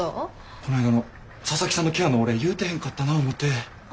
こないだの佐々木さんのケアのお礼言うてへんかったなぁ思て。